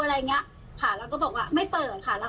อะไรอย่างเงี้ยค่ะแล้วก็บอกว่าไม่เปิดค่ะ